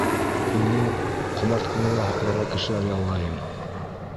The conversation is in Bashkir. Һине, ҡомартҡыны ла һаҡларға кешеләр яллайым.